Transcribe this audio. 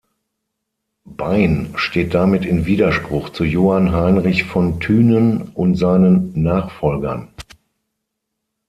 Bain steht damit in Widerspruch zu Johann Heinrich von Thünen und seinen Nachfolgern.